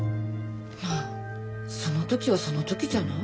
まぁその時はその時じゃない？